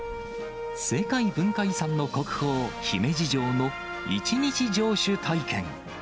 世界文化遺産の国宝、姫路城の１日城主体験。